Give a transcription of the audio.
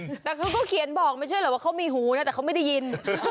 แต่เขาก็เขียนบอกไม่ใช่หรอกว่าเขามีหูนะแต่เขาไม่ได้ยิน